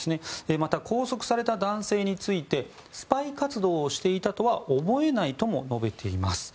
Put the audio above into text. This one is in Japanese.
また、拘束された男性についてスパイ活動をしていたとは思えないとも述べています。